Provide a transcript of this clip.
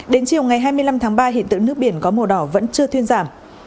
đến chiều ngày hai mươi năm tháng ba hiện tượng nước biển có màu đỏ vẫn chưa thuyên giảm